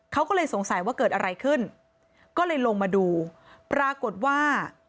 เขาก็เลยสงสัยว่าเกิดอะไรขึ้นก็เลยลงมาดูปรากฏว่า